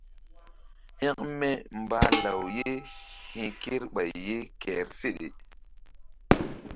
Hekme mbah law ye hi̧ kerɓay ye kehr seɗe.